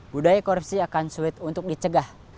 budaya korupsi akan sulit untuk dicegah